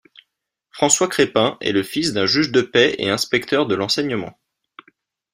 François Crépin est le fils d'un juge de paix et inspecteur de l'enseignement.